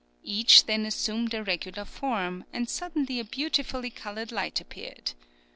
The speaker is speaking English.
Each then assumed a regular form, and suddenly a beautifully coloured light appeared.